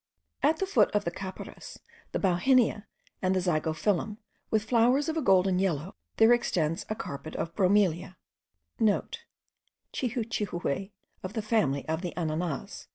At the foot of the capparis, the bauhinia, and the zygophyllum with flowers of a golden yellow, there extends a carpet of Bromelia,* (* Chihuchihue, of the family of the ananas.)